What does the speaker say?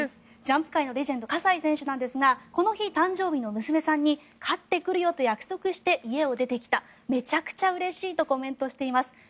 ジャンプ界のレジェンド葛西選手なんですがこの日、誕生日の娘さんに勝ってくるよと約束して家を出てきためちゃくちゃうれしいとコメントしています。